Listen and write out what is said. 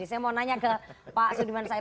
saya mau nanya ke pak sudirman said